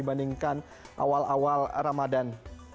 akan awal awal ramadan